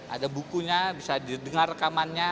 ada bukunya bisa didengar rekamannya